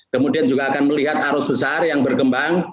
kemudian juga akan melihat arus besar yang berkembang